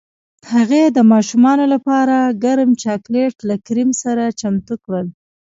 هغې د ماشومانو لپاره ګرم چاکلیټ له کریم سره چمتو کړل